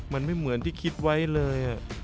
มันไม่เหมือนที่คิดไว้เลย